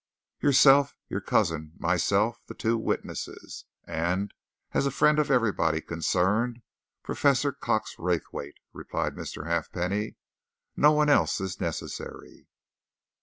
"Yourself, your cousin, myself, the two witnesses, and, as a friend of everybody concerned, Professor Cox Raythwaite," replied Mr. Halfpenny. "No one else is necessary."